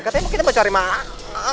katanya mau kita mencari makan